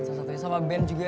salah satunya sama band juga